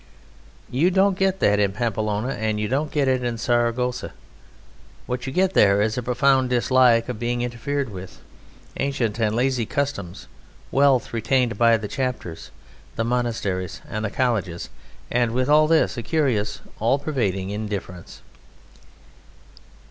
You don't get that in Pamplona, and you don't get it in Saragossa. What you get there is a profound dislike of being interfered with, ancient and lazy customs, wealth retained by the chapters, the monasteries, and the colleges, and with all this a curious, all pervading indifference.